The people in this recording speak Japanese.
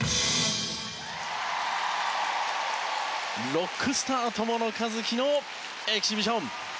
ロックスター、友野一希のエキシビション。